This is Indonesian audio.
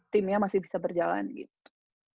timnya masih bisa berjalan gitu